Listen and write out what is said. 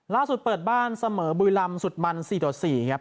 ล่าสุดเปิดบ้านเสมอบุรีลำสุดมัน๔ต่อ๔ครับ